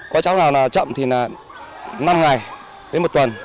có cháu nào chậm thì là năm ngày đến một tuần